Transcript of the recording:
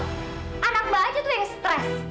mbak anak mbak aja itu yang stres